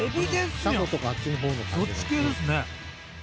そっち系ですね。